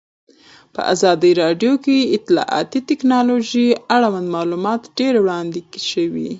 په ازادي راډیو کې د اطلاعاتی تکنالوژي اړوند معلومات ډېر وړاندې شوي.